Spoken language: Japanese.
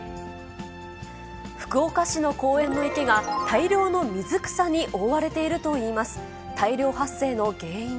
福岡市の公園の池が、大量の水草に覆われているといいます。